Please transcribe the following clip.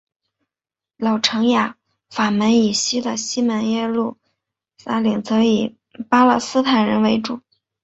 老城雅法门以西的西耶路撒冷则以巴勒斯坦人为主。